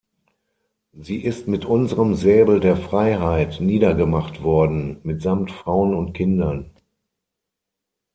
Sie ist mit unserem Säbel der Freiheit niedergemacht worden, mitsamt Frauen und Kindern.